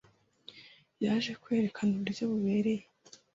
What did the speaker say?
Yaje kwerekana uburyo bubereye